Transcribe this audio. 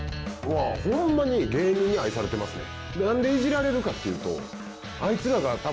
ホンマに芸人に愛されてますね。